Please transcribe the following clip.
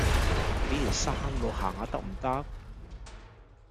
比條生路行下得唔得